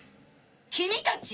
君たち！